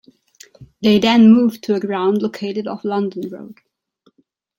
They then moved to a ground located off London Road.